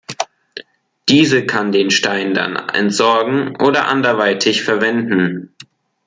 Diese kann den Stein dann entsorgen oder anderweitig verwenden.